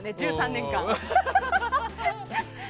１３年間。